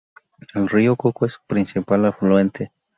El Río Coco es su principal afluente.